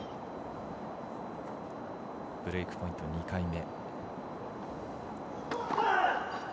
ブレークポイント２回目。